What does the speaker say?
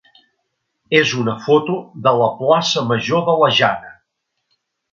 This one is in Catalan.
és una foto de la plaça major de la Jana.